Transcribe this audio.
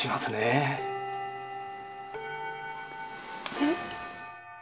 えっ？